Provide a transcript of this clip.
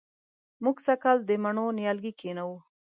موږ سږ کال د مڼو نیالګي کېنوو